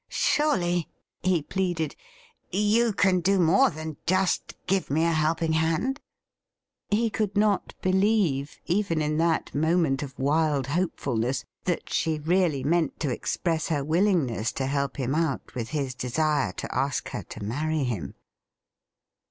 ' Surely,' he pleaded, ' you can do more than just give me a helping hand ?'' He could not believe, even in that moment of wild hopefulness, that she really meant to express her willing ness to help him out with his desire to ask her to marry him.